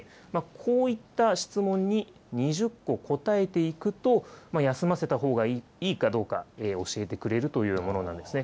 こういった質問に２０個答えていくと、休ませたほうがいいかどうか、教えてくれるというものなんですね。